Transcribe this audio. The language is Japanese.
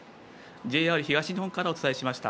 ＪＲ東日本からお伝えしました。